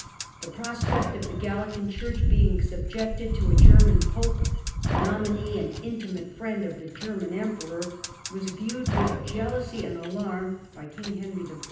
The prospect of the Gallican Church being subjected to a German pope, the nominee and intimate friend of the German emperor, was viewed with jealousy and alarm by the king, Henry I.